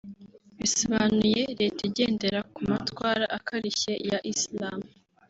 bisobanuye “Leta igendera ku matwara akarishye ya Islam”